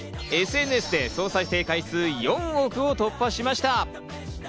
ＳＮＳで総再生回数４億を突破しました。